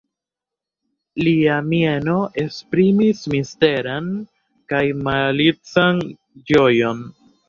Lia mieno esprimis misteran kaj malican ĝojon.